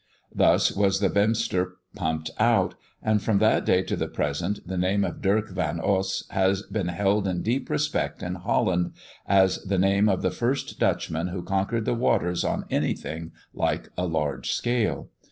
Thus was the Beemster pumped out; and from that day to the present, the name of Dirck van Oss has been held in deep respect in Holland, as the name of the first Dutchman who conquered the waters on anything like a large scale.